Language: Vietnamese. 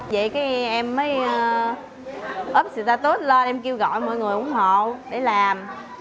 vậy cái em mới up status lên em kêu gọi mọi người ủng hộ để làm